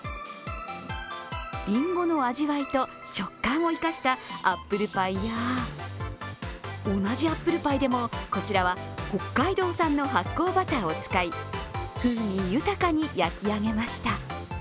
りんごの味わいと食感を生かしたアップルパイや同じアップルパイでは、こちらは北海道産の発酵バターを使い、風味豊かに焼き上げました。